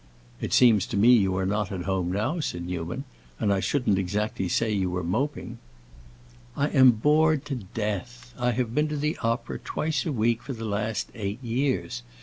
"It seems to me you are not at home now," said Newman, "and I shouldn't exactly say you were moping." "I am bored to death. I have been to the opera twice a week for the last eight years.